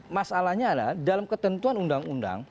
masalahnya adalah dalam ketentuan undang undang